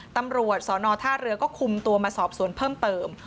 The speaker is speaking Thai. ตำรวจสอนอท่าเรือก็คุมตัวมาสอบสวนเพิ่มเติม